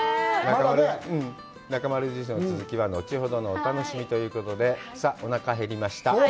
「なかまる印」の続きは後ほどのお楽しみということで、さあ、おなか減りました。